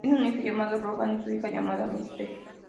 Tiene un hijo llamado Rogan y una hija llamada Misty.